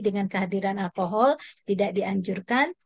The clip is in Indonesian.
dengan kehadiran alkohol tidak dianjurkan